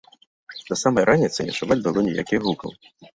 Да самай раніцы не чуваць было ніякіх гукаў.